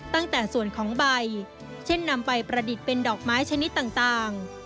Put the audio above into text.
ตั้งแต่ส่วนของใบเช่นนำไปประดิษฐ์เป็นดอกไม้ชนิดต่าง